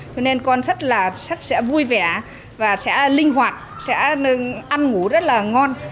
cho nên con sẽ vui vẻ và sẽ linh hoạt sẽ ăn ngủ rất là ngon